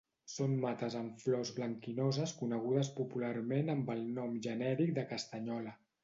Són mates amb flors blanquinoses conegudes popularment amb el nom genèric de castanyola.